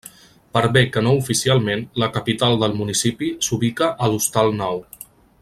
Per bé que no oficialment, la capital del municipi s'ubica a l'Hostal Nou.